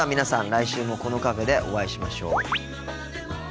来週もこのカフェでお会いしましょう。